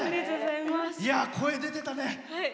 声、出てたね！